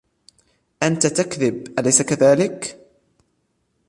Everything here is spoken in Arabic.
أنت تكذب ، أليس كذلك ؟